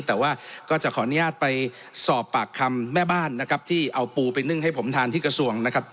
แต่ว่าก็จะขออนุญาตไปสอบปากคำแม่บ้านนะครับที่เอาปูไปนึ่งให้ผมทานที่กระทรวงนะครับ